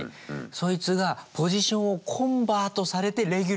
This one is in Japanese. そいつがポジションをコンバートされてレギュラーになったのよ。